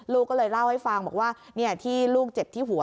ลูกก็เลยเล่าให้ฟังบอกว่าที่ลูกเจ็บที่หัว